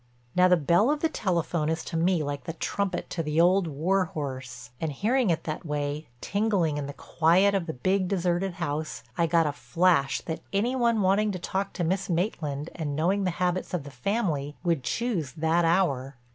Now the bell of the telephone is to me like the trumpet to the old war horse. And hearing it that way, tingling in the quiet of the big, deserted house, I got a flash that any one wanting to talk to Miss Maitland and knowing the habits of the family would choose that hour.